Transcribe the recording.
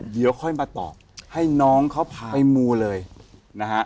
เดี๋ยวค่อยมาตอบให้น้องเขาพาไปมูเลยนะฮะ